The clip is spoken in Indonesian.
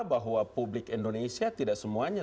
bahwa publik indonesia tidak semuanya